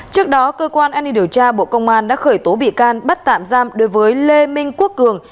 trước đó cơ quan an ninh điều tra bộ công an đã khởi tố bị can bắt tạm giam đối với lê minh quốc cường